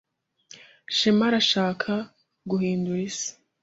Shema arashaka guhindura isi.